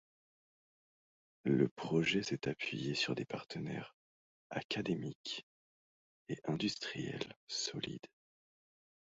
Le projet s'est appuyé sur des partenaires académiques et industriels solides.